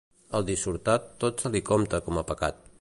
Al dissortat, tot se li compta com a pecat.